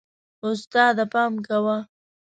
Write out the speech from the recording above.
استاده، پام کوه.